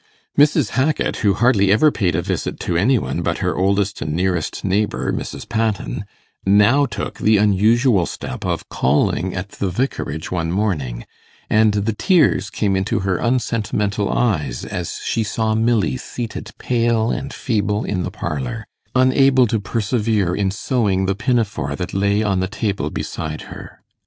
Mrs. Hackit, who hardly ever paid a visit to any one but her oldest and nearest neighbour, Mrs. Patten, now took the unusual step of calling at the vicarage one morning; and the tears came into her unsentimental eyes as she saw Milly seated pale and feeble in the parlour, unable to persevere in sewing the pinafore that lay on the table beside her.